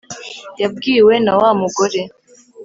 yabwiwe na wa mugore